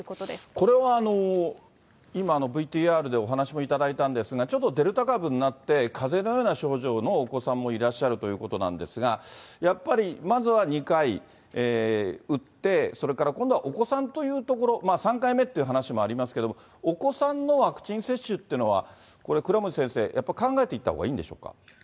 これは今のＶＴＲでお話もいただいたんですが、ちょっとデルタ株になって、かぜのような症状のお子さんもいらっしゃるということなんですが、やっぱりまずは２回、打って、それから今度はお子さんというところ、３回目という話もありますけれども、お子さんのワクチン接種というのは、これ、倉持先生、やっぱり考えていったほうがいいんでしょうか。